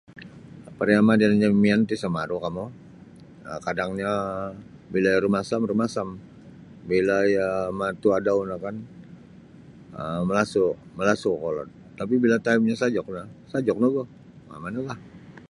Pariama' da yanan jami' miyan ti sa maru' kamu um kadangnyo bila iyo rumasam rumasam bila iyo matuadau no kan um malasu' malasu' kokolod tapi' bila taimnyo sajuk no sajuk nogu um manulah.